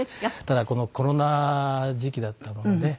ただこのコロナ時期だったもので。